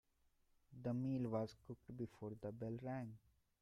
The meal was cooked before the bell rang.